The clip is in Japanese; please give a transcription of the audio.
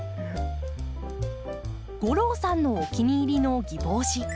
吾郎さんのお気に入りのギボウシ。